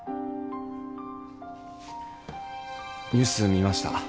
ニュース見ました。